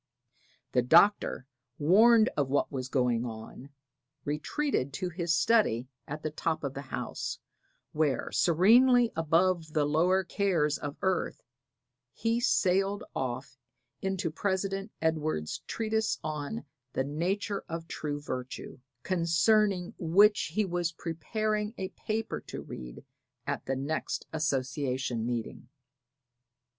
The Doctor, warned of what was going on, retreated to his study at the top of the house, where, serenely above the lower cares of earth, he sailed off into President Edwards' treatise on the nature of true virtue, concerning which he was preparing a paper to read at the next association meeting.